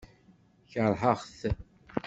Keṛheɣ-t.